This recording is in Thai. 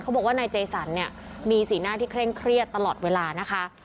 บอกว่านายเจสันเนี่ยมีสีหน้าที่เคร่งเครียดตลอดเวลานะคะ